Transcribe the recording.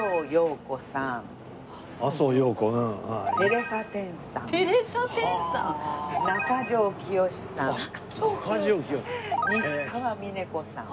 支川峰子さん。